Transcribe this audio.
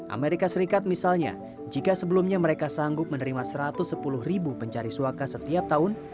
amerika serikat misalnya jika sebelumnya mereka sanggup menerima satu ratus sepuluh ribu pencari suaka setiap tahun